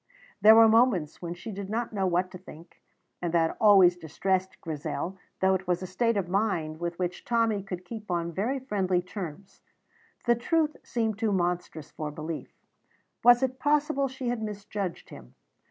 There were moments when she did not know what to think, and that always distressed Grizel, though it was a state of mind with which Tommy could keep on very friendly terms. The truth seemed too monstrous for belief. Was it possible she had misjudged him?